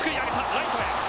ライトへ。